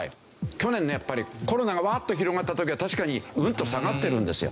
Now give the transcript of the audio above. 去年のやっぱりコロナがワッと広がった時は確かにうんと下がってるんですよ。